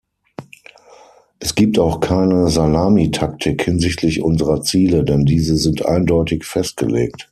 Es gibt auch keine Salamitaktik hinsichtlich unserer Ziele, denn diese sind eindeutig festgelegt.